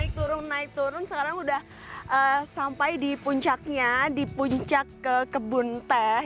naik turun naik turun sekarang sudah sampai di puncaknya di puncak ke kebun teh